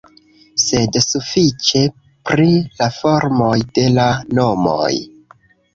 Sed sufiĉe pri la formoj de la nomoj.